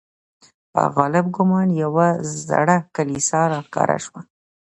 په غالب ګومان یوه زړه کلیسا را ښکاره شوه.